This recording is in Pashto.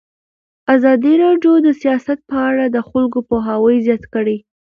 ازادي راډیو د سیاست په اړه د خلکو پوهاوی زیات کړی.